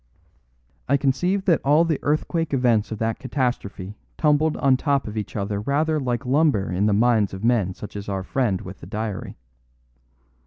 "I conceive that all the earthquake events of that catastrophe tumbled on top of each other rather like lumber in the minds of men such as our friend with the diary.